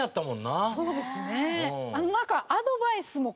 そうですね。